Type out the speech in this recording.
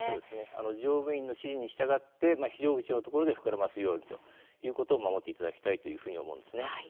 乗務員の指示に従って非常口の所で膨らますようにということを守っていただきたいというふうに思うんですね。